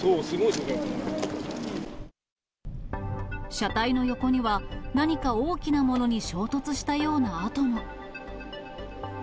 車体の横には、何か大きなものに衝突したような跡も。